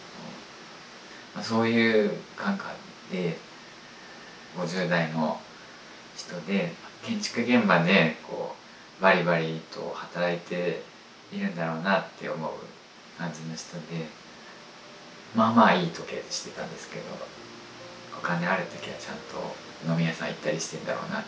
そういう中で５０代の人で建築現場でばりばりと働いているんだろうなって思う感じの人でまあまあいい時計してたんですけどお金ある時はちゃんと飲み屋さん行ったりしてるんだろうなっていうか。